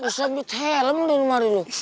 masak but helm lu lu